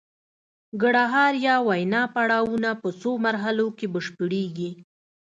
د ګړهار یا وینا پړاوونه په څو مرحلو کې بشپړیږي